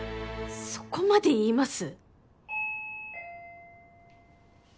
そこまで言います？